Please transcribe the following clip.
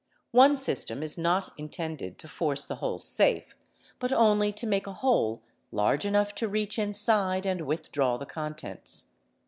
One system is not intended to force the whole "safe, but only to make a hole large enough to reach inside and withdraw "the contents.